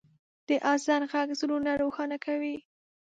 د اذان ږغ زړونه روښانه کوي.